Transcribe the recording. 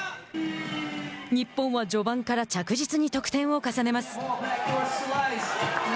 日本は序盤から着実に得点を重ねます。